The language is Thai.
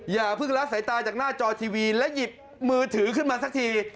อย่าเพิ่งละสายตาจากหน้าจอทีวีและหยิบมือถือขึ้นมาสักที